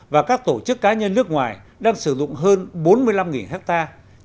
và các tổ chức cá nhân nước ngoài đang sử dụng hơn bốn mươi năm hectare